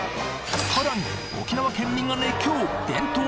さらに沖縄県民が熱狂！